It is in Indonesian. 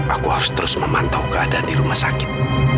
aku harus terus memantau keadaan di rumah sakit